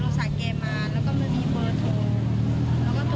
พออีกสักพักเค้าก็ตำรวจก็โทรไปหารูปพยาบาลให้